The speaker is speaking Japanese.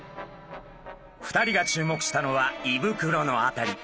２人が注目したのはいぶくろの辺り。